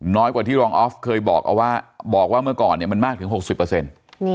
น้อยกว่าที่รองอฟเคยบอกว่าเมื่อก่อนมันมากถึง๖๐